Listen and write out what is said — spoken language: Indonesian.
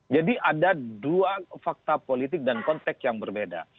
jadi ada dua fakta politik dan konteks yang berbeda